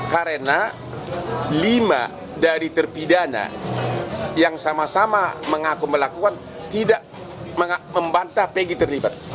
karena lima dari terpidana yang sama sama mengaku melakukan tidak membantah pg terlibat